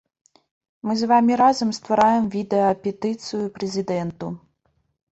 Мы з вамі разам ствараем відэапетыцыю прэзідэнту.